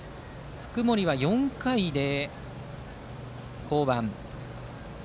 福盛は４回で降板。